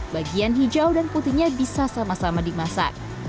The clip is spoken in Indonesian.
dan hijau dan putihnya bisa sama sama dimasak